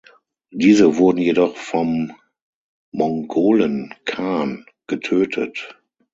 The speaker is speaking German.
Diese wurden jedoch vom Mongolen-Khan getötet.